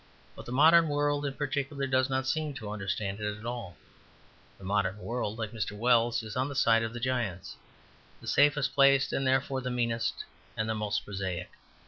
But the modern world in particular does not seem to understand it at all. The modern world, like Mr. Wells is on the side of the giants; the safest place, and therefore the meanest and the most prosaic.